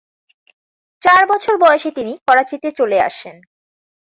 চার বছর বয়সে তিনি করাচিতে চলে আসেন।